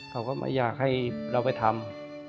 เขาก็ไม่อยากให้เราไปทำ